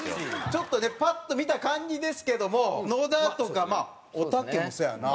ちょっとねパッと見た感じですけども野田とかまあおたけもそうやな。